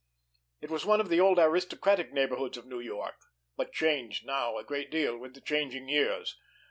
It was one of the old aristocratic neighborhoods of New York, but changed now a great deal with the changing years.